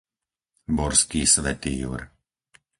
Borský Svätý Jur